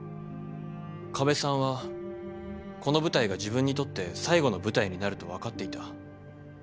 加部さんはこの舞台が自分にとって最後の舞台になると分かっていた。